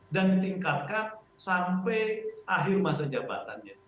dan ditingkatkan sampai akhir masa jabatannya